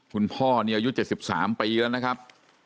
คุณพ่อนี่อายุเจ็ดสิบสามปีแล้วนะครับ